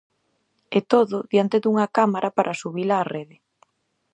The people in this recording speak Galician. E todo, diante dunha cámara para subila á rede.